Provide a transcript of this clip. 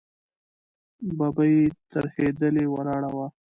ببۍ ترهېدلې ولاړه وه.